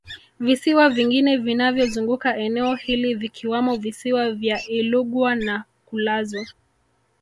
Visiwa vingine vinavyozunguka eneo hili vikiwamo Visiwa vya Ilugwa na Kulazu